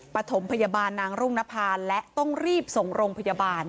ปฐมพยาบาลนางรุ่งนภาและต้องรีบส่งโรงพยาบาล